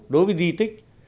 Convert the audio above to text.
đối với di tích